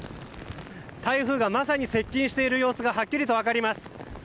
台風がまさに接近している様子がはっきりと分かります。